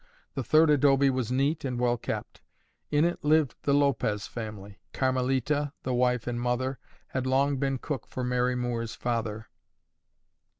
The third adobe was neat and well kept. In it lived the Lopez family. Carmelita, the wife and mother, had long been cook for Mary Moore's father.